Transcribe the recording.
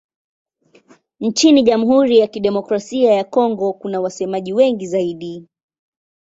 Nchini Jamhuri ya Kidemokrasia ya Kongo kuna wasemaji wengi zaidi.